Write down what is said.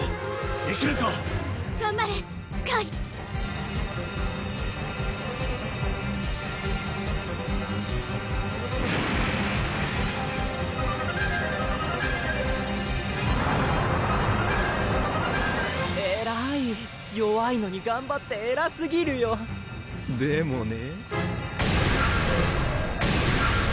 いけるか⁉頑張れスカイえらい弱いのに頑張ってえらすぎるよでもね？